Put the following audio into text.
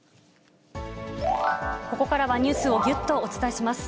ここからはニュースをぎゅっとお伝えします。